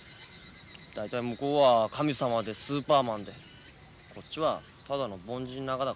大体向こうは神様でスーパーマンでこっちはただの凡人ながだから。